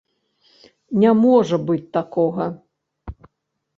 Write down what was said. Не можа быць такога.